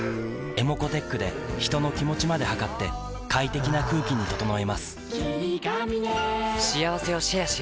ｅｍｏｃｏーｔｅｃｈで人の気持ちまで測って快適な空気に整えます